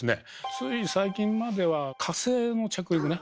つい最近までは火星の着陸ね